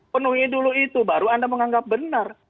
penuhi dulu itu baru anda menganggap benar